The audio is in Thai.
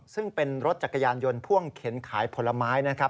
ซึ่งเป็นรถจักรยานยนต์พ่วงเข็นขายผลไม้นะครับ